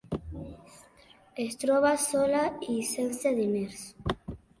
Es troba sola i sense diners.